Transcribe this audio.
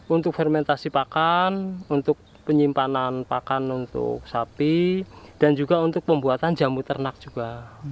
untuk fermentasi pakan untuk penyimpanan pakan untuk sapi dan juga untuk pembuatan jambu ternak juga